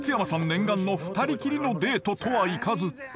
念願の２人きりのデートとはいかず。